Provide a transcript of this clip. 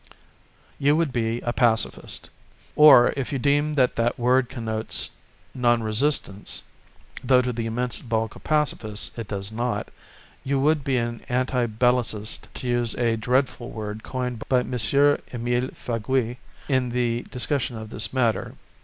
You would be a Pacifist. Or, if you deem that that word connotes non resistance, though to the immense bulk of Pacifists it does not, you would be an anti Bellicist to use a dreadful word coined by M. Emile Faguet in the discussion of this matter.